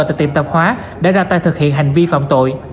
tại tiệm tạp hóa để ra tay thực hiện hành vi phạm tội